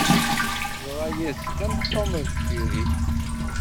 Teḍra yid-sen am Tom d Jerry